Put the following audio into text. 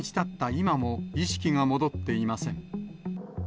今も、意識が戻っていません。